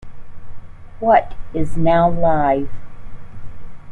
What is now Live!